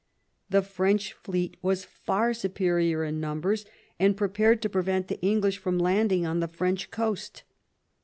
The French fleet was far superior in numbers, and prepared to prevent the English from landing on the French coast.